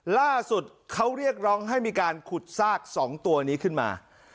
ล่าสุดเขาเรียกร้องให้มีการขุดซาก๒ตัวนี้ขึ้นมา